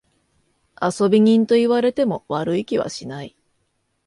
遊び人と言われても悪い気はしない。